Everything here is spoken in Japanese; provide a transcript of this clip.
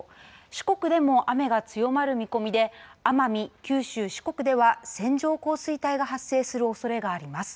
四国でも雨が強まる見込みで奄美、九州四国では線状降水帯が発生するおそれがあります。